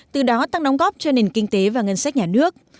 từ đó tăng đóng góp cho nền kinh tế và ngân sách nhà nước